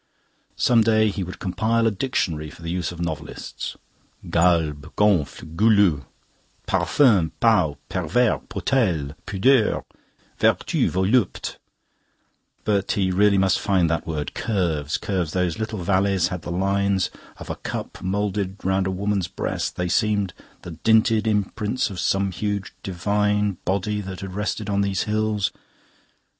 Some day he would compile a dictionary for the use of novelists. Galbe, gonfle, goulu: parfum, peau, pervers, potele, pudeur: vertu, volupte. But he really must find that word. Curves curves...Those little valleys had the lines of a cup moulded round a woman's breast; they seemed the dinted imprints of some huge divine body that had rested on these hills.